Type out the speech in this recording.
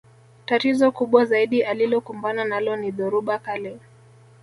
Tatizo kubwa zaidi alilokumbana nalo ni dhoruba kali